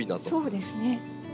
そうですね。